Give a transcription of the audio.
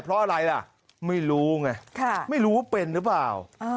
เพราะอะไรล่ะไม่รู้ไงไม่รู้ว่าเป็นหรือเปล่า